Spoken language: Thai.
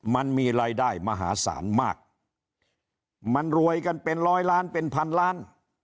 มันมีรายได้มหาศาลมากมันรวยกันเป็นร้อยล้านเป็นพันล้าน